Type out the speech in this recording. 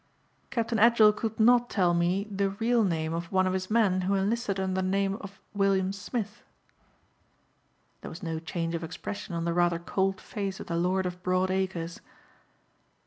"Captain Edgell could not tell me the real name of one of his men who enlisted under the name of William Smith." There was no change of expression on the rather cold face of the lord of broad acres.